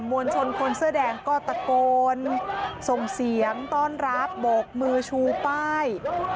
มวลชนคนเสื้อแดงก็ตะโกนส่งเสียงต้อนรับโบกมือชูป้าย